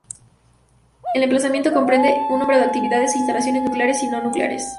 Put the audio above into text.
El emplazamiento comprende un número de actividades e instalaciones nucleares y no nucleares.